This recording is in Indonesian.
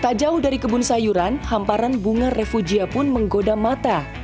tak jauh dari kebun sayuran hamparan bunga refugia pun menggoda mata